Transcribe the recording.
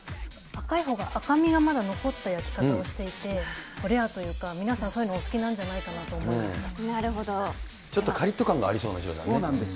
赤いほうが、赤身がまだ残った焼き方をしていて、レアというか、皆さん、そういうのお好きなんじゃないかなと思いました。